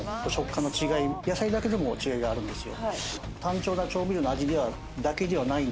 野菜だけでも違いがあるんですよ。